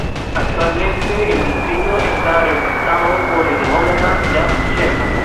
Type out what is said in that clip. Actualmente el distrito está representado por el Demócrata Brad Sherman.